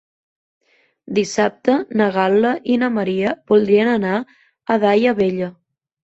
Dissabte na Gal·la i na Maria voldrien anar a Daia Vella.